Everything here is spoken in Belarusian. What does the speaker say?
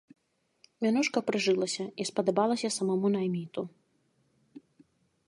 Мянушка прыжылася, і спадабалася самаму найміту.